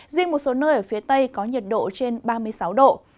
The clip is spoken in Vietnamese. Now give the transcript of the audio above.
riêng một số nơi ở phía tây có nhiệt độ trên ba mươi sáu độ